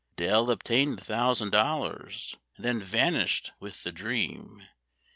Dale obtained the thousand dollars, and then vanished with the dream.